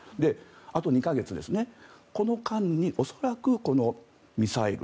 あと２か月この間に恐らくこのミサイル